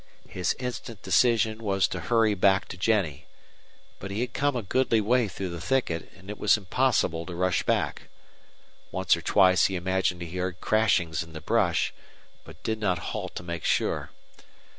His instant decision was to hurry back to Jennie. But he had come a goodly way through the thicket, and it was impossible to rush back. Once or twice he imagined he heard crashings in the brush, but did not halt to make sure.